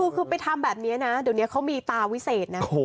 คือไปทำแบบนี้นะเดี๋ยวนี้เขามีตาวิเศษนะ